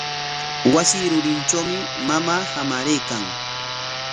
Wasi rurintrawmi mamaa hamaraykan.